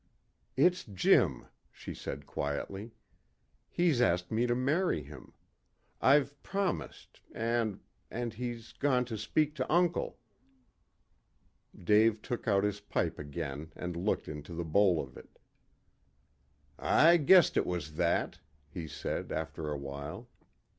"It's Jim," she said quietly. "He's asked me to marry him. I've promised and and he's gone to speak to uncle." Dave took out his pipe again and looked into the bowl of it. "I guessed it was that," he said, after a while.